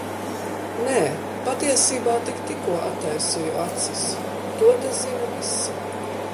Nē, patiesībā tik tikko attaisīju acis. To te zina visi.